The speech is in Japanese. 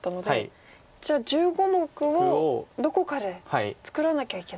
じゃあ１５目をどこかで作らなきゃいけない。